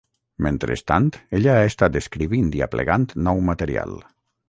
Mentrestant, ella ha estat escrivint i aplegant nou material.